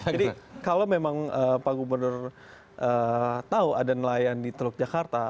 jadi kalau memang pak gubernur tahu ada nelayan di teluk jakarta